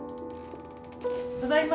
ただいま。